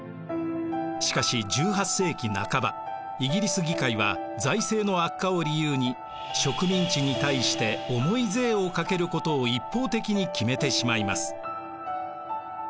しかし１８世紀半ばイギリス議会は財政の悪化を理由に植民地に対して重い税をかけることを一方的に決めてしまいます。